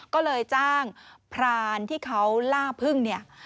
ก็เลยจ้างพรานที่เขาล่าพึ่งเนี่ย